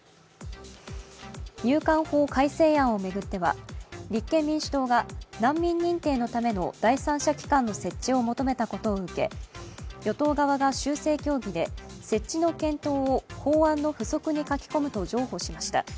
入管法改正案を巡っては立憲民主党が難民認定のための第三者機関の設置を求めたことを受け与党側が修正協議で設置の検討を法案の附則に書き込むと譲歩しました